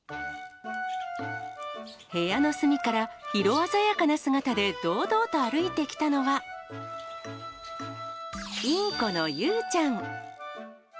部屋の隅から色鮮やかな姿で堂々と歩いてきたのは、インコのユウちゃん。